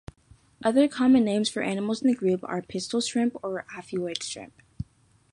Other common names for animals in the group are pistol shrimp or alpheid shrimp.